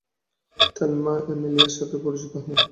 Thelma, অ্যামেলিয়ার সাথে পরিচিত হও।